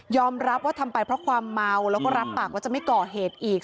รับว่าทำไปเพราะความเมาแล้วก็รับปากว่าจะไม่ก่อเหตุอีก